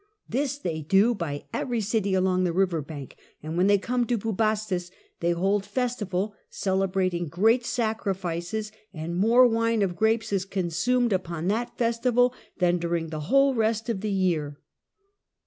This they do by every city along the river bank; and when they come to Bubastis they hold festival celebrating great sacrifices, and more wine of grapes is consumed upon that festival than during the whole of the rest of the year.